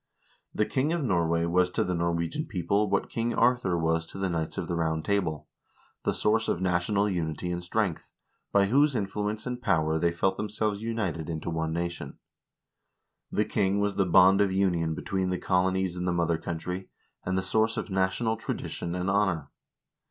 The king of Norway was to the Nor wegian people what King Arthur was to the Knights of the Round Table — the source of national unity and strength, by whose in fluence and power they felt themselves united into one nation. The king was the bond of union between the colonies and the mother country, and the source of national tradition and honor.